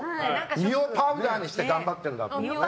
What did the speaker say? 身をパウダーにして頑張ってるんだから。